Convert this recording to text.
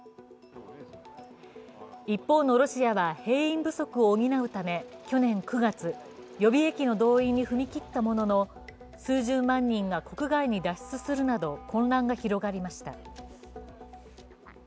一方のロシアは兵員不足を補うため去年９月、予備役の動員に踏み切ったものの数十万人が国外に脱出するなど混乱が広がりました。